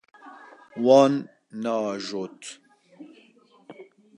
Wan neajot.